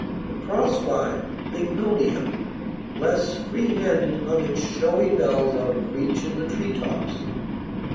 The cross vine (Bignonia), less freehanded, hung its showy bells out of reach in the treetops.